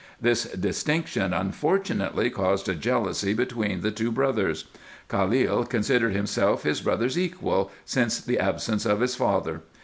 Tins distinction unfortunately caused a jealousy between the two brothers. Khalil considered himself his brother's equal since the absence of his father.